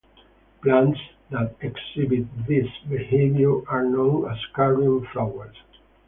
Plants that exhibit this behavior are known as carrion flowers.